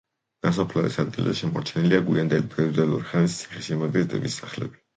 ნასოფლარის ადგილზე შემორჩენილია გვიანდელი ფეოდალური ხანის ციხესიმაგრის ტიპის სახლები.